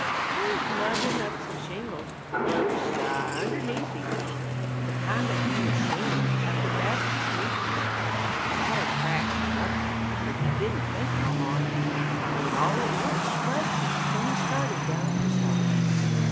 He was luggin' up some shingles, bunch, sah, underneath each arm, The time that he was shinglin' of the Baptist meetin' house; The ladder cracked and buckled, but he didn't think no harm, When all at once she busted, and he started down kersouse.